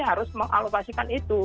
harus mengalokasikan itu